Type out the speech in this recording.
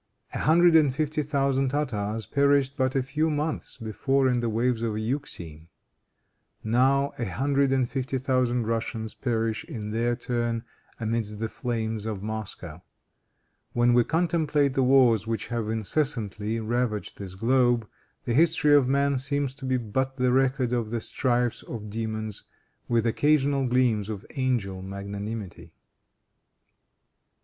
A hundred and fifty thousand Tartars perished but a few months before in the waves of the Euxine. Now, a hundred and fifty thousand Russians perish, in their turn, amidst the flames of Moscow. When we contemplate the wars which have incessantly ravaged this globe, the history of man seems to be but the record of the strifes of demons, with occasional gleams of angel magnanimity.